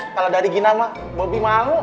kalau dari gina mah bobby malu